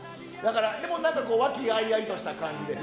でもなんか和気あいあいとした感じで。